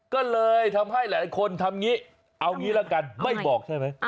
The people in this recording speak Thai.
ก็เลยทำให้หลายคนทำอย่างนี้เอางี้ละกันไม่บอกใช่ไหม